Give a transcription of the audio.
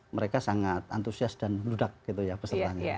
mereka sangat antusias dan meludak gitu ya pesertanya